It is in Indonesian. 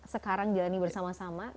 sekarang jalani bersama sama